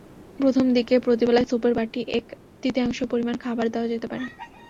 প্রথম দিকে প্রতিবেলায় স্যুপের বাটির এক-তৃতীয়াংশ পরিমাণ খাবার দেওয়া যেতে পারে।